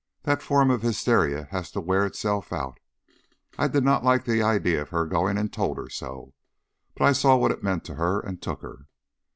That form of hysteria has to wear itself out. I did not like the idea of her going, and told her so, but I saw what it meant to her, and took her.